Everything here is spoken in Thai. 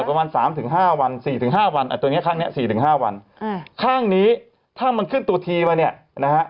ประมาณ๓๕วัน๔๕วันอันตัวนี้ข้างนี้๔๕วันข้างนี้ถ้ามันขึ้นตัวทีมาเนี่ยนะฮะ